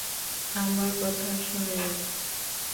আমার কথা শুনেনি!